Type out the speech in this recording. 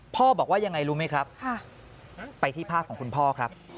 พ่อบอกว่ายังไงรู้ไหมครับไปที่ภาพของคุณพ่อครับ